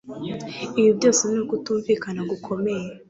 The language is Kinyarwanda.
Ibi byose ni ukutumvikana gukomeye.